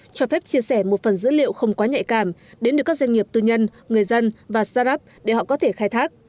cho phép chia sẻ một phần dữ liệu không quá nhạy cảm đến được các doanh nghiệp tư nhân người dân và start up để họ có thể khai thác